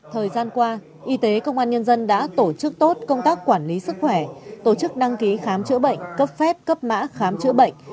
thời gian qua y tế công an nhân dân đã tổ chức tốt công tác quản lý sức khỏe tổ chức đăng ký khám chữa bệnh cấp phép cấp mã khám chữa bệnh